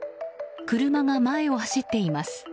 車が前を走っています。